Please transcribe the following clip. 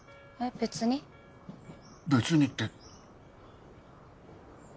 別にって。